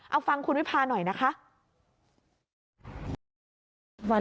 เอาฟังคุณวิพาหน่อยนะคะ